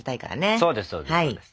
そうですそうです。